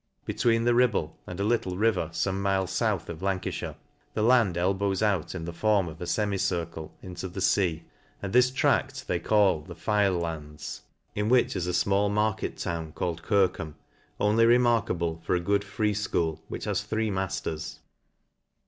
Between the Kibble, and a little river fome miles fouth of Lancajhhe, the land elbows out, in the form of a femicircle, into the fea \ and this tracr. they call the File lands, in which is a fmall market town, called Kirkham \ only remarkable for a good free fchool, which has three mailers.